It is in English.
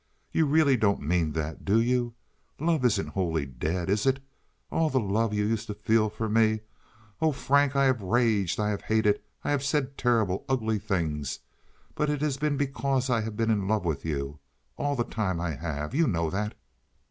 "You really don't mean that, do you? Love isn't wholly dead, is it? All the love you used to feel for me? Oh, Frank, I have raged, I have hated, I have said terrible, ugly things, but it has been because I have been in love with you! All the time I have. You know that.